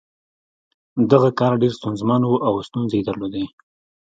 دغه کار ډېر ستونزمن و او ستونزې یې درلودې